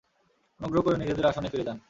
অনুগ্রহ করে নিজেদের আসনে ফিরে যান।